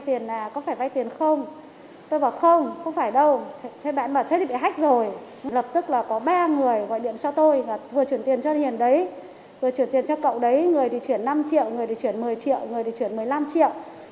tại tỉnh năm định có ba người gọi điện cho tôi vừa chuyển tiền cho hiền đấy vừa chuyển tiền cho cậu đấy người thì chuyển năm triệu người thì chuyển một mươi triệu người thì chuyển một mươi năm triệu